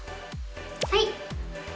はい。